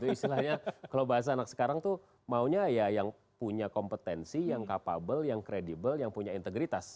istilahnya kalau bahasa anak sekarang tuh maunya ya yang punya kompetensi yang capable yang kredibel yang punya integritas